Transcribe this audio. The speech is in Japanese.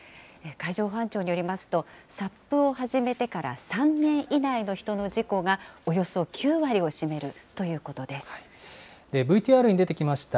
海上保安庁によりますと、ＳＵＰを始めてから３年以内の人の事故が、およそ９割を占めるというこＶＴＲに出てきました